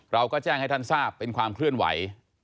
เราก็แจ้งให้ท่านทราบเป็นความเคลื่อนไหว